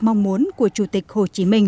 mong muốn của chủ tịch hồ chí minh